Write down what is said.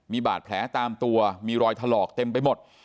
มีบาดแผลตามตัวมีรอยถลอกเต็มไปหมด